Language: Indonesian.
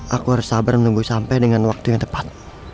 aku harus sabar menunggu sampai dengan waktu yang tepat